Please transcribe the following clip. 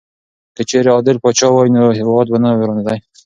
که چېرې عادل پاچا وای نو هېواد به نه ورانېدی.